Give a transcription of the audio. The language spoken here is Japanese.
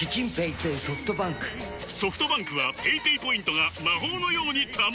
ソフトバンクはペイペイポイントが魔法のように貯まる！